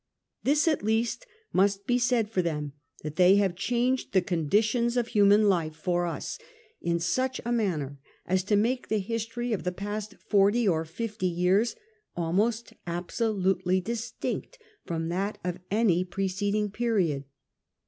This at least must be said for them, that they have changed the conditions of human life for us in such a manner as to make the history of the past forty or fifty years almost absolutely distinct from that of any preceding period.